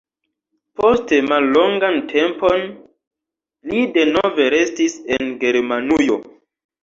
Poste mallongan tempon li denove restis en Germanujo.